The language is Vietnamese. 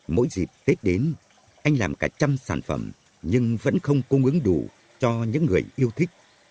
mỗi dịp tết đến anh làm cả một trăm linh sản phẩm nhưng vẫn không cung ứng đủ cho những người yêu thích